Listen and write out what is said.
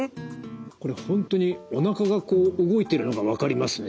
これ本当におなかがこう動いてるのが分かりますね。